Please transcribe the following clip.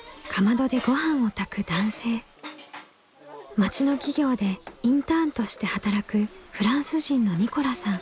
町の企業でインターンとして働くフランス人のニコラさん。